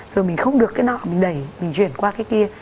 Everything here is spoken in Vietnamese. rồi mình không được cái nọ mình đẩy mình chuyển qua cái kia